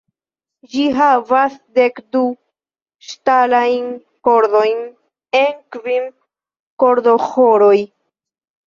Ĝi havas dekdu ŝtalajn kordojn en kvin kordoĥoroj.